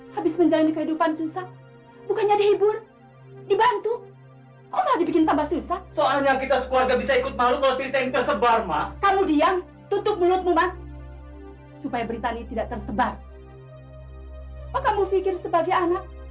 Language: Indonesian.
habis tv saya ditolong radio saya digasak raib semuanya pak